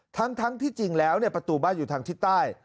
ทั้งที่จริงแล้วประตูบ้านอยู่ทางทิศใต้